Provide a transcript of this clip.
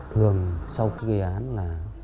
thường sau khi gây án là